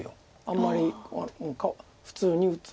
あんまり普通に打つ。